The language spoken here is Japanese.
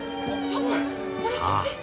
さあ